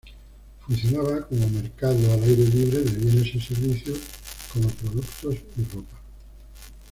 Funcionaba como mercado al aire libre de bienes y servicios como productos y ropa.